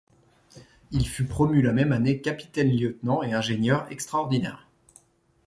Il fut promu la même année capitaine-lieutenant et ingénieur extraordinaire.